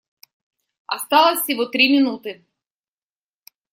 Осталось всего три минуты.